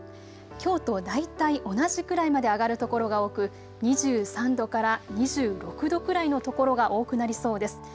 きょうと大体、同じくらいまで上がる所が多く２３度から２６度くらいの所が多くなりそうです。